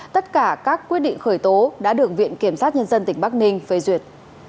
tất cả các quyết định khởi tố đã được viện kiểm sát nhân dân tỉnh bắc ninh phê duyệt